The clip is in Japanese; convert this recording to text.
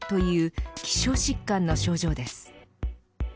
希少疾患の症状です。